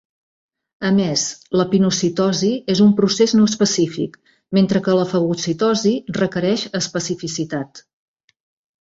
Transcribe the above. A més, la pinocitosi és un procés no específic mentre que la fagocitosi requereix especificitat.